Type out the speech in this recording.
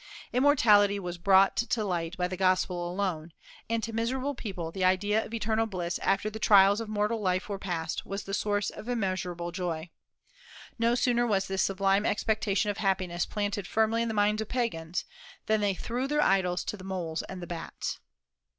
Immortality was brought to light by the gospel alone, and to miserable people the idea of eternal bliss after the trials of mortal life were passed was the source of immeasurable joy. No sooner was this sublime expectation of happiness planted firmly in the minds of pagans, than they threw their idols to the moles and the bats.